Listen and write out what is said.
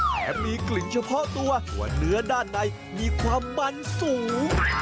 มีกลิ่นเฉพาะตัวเนื้อด้านในมีความมันสูง